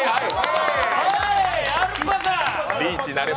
はい、アルパカ。